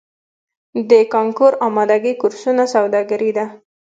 د کانکور امادګۍ کورسونه سوداګري ده؟